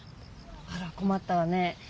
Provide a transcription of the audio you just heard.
あらこまったわね。